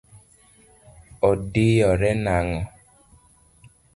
Odiyore nang’o?